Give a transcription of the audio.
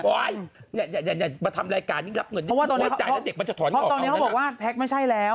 อย่าอย่าอย่าอย่ามาทำรายการนี้รับหน่อยเพราะว่าตอนนี้เขาบอกว่าแท็กไม่ใช่แล้ว